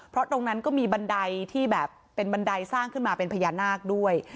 เพราะตรงนั้นก็มีบันไดสร้างขึ้นมาเป็นพยานาคด้วย